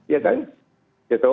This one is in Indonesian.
ya jadi saya ada masalah